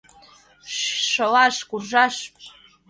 — «Шылаш», «куржаш!».